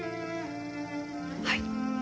はい。